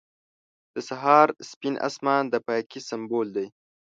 • د سهار سپین آسمان د پاکۍ سمبول دی.